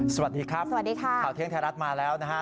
สวัสดีครับสวัสดีค่ะข่าวเที่ยงไทยรัฐมาแล้วนะฮะ